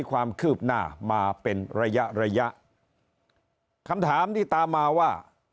ความคืบหน้ามาเป็นระยะระยะคำถามที่ตามมาว่า